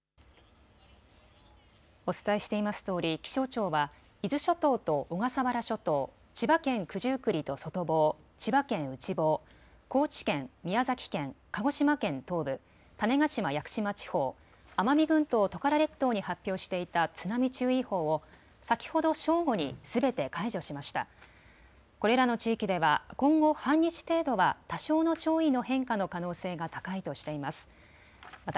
お伝えしていますとおり気象庁は伊豆諸島と小笠原諸島、千葉県九十九里と外房、千葉県内房、高知県、宮崎県、鹿児島県東部、種子島・屋久島地方、奄美群島・トカラ列島に発表していた津波注意報を先ほど正午にすべて解除しました。